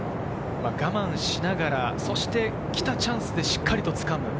我慢しながら、そして来たチャンスでしっかりつかむ。